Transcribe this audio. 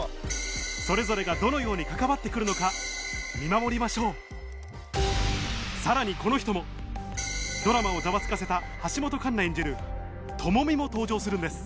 それぞれがどのように関わってくるのか見守りましょうさらにこの人もドラマをざわつかせたも登場するんです